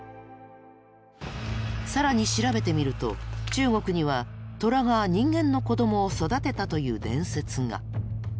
更に調べてみると中国にはトラが人間の子どもを育てたという伝説が。